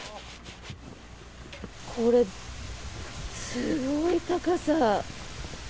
これ、すごい高さ。